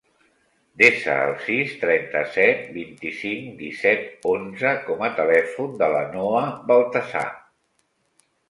Desa el sis, trenta-set, vint-i-cinc, disset, onze com a telèfon de la Noha Baltasar.